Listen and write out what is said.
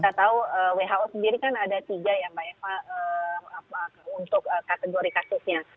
kita tahu who sendiri kan ada tiga yang banyak untuk kategori kasusnya